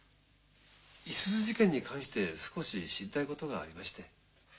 五十鈴事件に関して少し知りたいことがありまして。